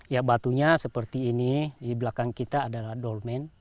ya batunya seperti ini di belakang kita adalah dolmen